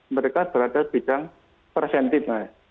mereka berada di bidang presentif